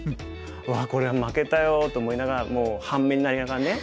「うわこれ負けたよ」と思いながらもう半目になりながらね。